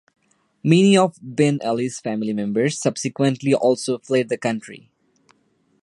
Many of Ben Ali's family members subsequently also fled the country.